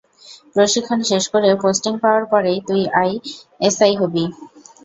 প্রশিক্ষণ শেষ করে পোস্টিং পাওয়ার পরেই তুই এসআই হবি।